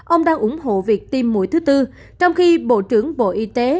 ông đang ủng hộ việc tiêm mũi thứ tư trong khi bộ trưởng bộ y tế